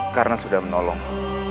karena sudah menolongmu